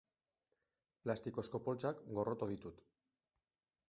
Plastikozko poltsak gorroto ditut.